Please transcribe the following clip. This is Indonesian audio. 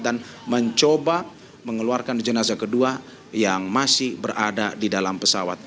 dan mencoba mengeluarkan jenazah kedua yang masih berada di dalam pesawat